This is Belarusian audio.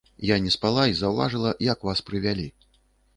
Я не спала і заўважыла, як вас прывялі.